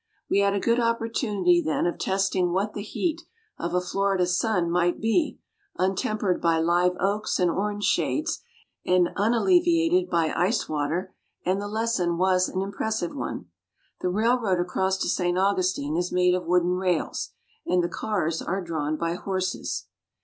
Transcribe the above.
We had a good opportunity then of testing what the heat of a Florida sun might be, untempered by live oaks and orange shades, and unalleviated by ice water; and the lesson was an impressive one. The railroad across to St. Augustine is made of wooden rails; and the cars are drawn by horses.